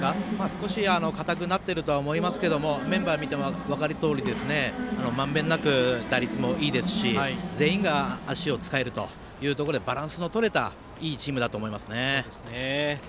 少しかたくなっているとは思いますけどメンバー見ても分かるとおりまんべんなく、打率もいいですし全員が足を使えるというところでバランスのとれたいいチームだと思いますね。